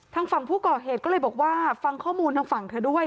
ทางฝั่งผู้ก่อเหตุก็เลยบอกว่าฟังข้อมูลทางฝั่งเธอด้วย